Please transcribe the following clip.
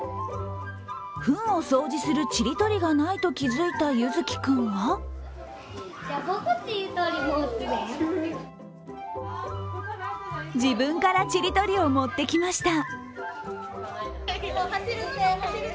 ふんを掃除するちりとりがないと気づいたゆづきくんは自分からちりとりを持ってきました。